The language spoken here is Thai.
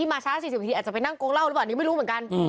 อาจจะไปนั่งโกงเหล้าหรือเปล่า